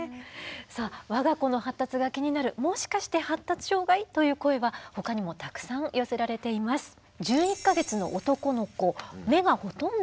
さあ我が子の発達が気になるもしかして発達障害？という声はほかにもたくさん寄せられています。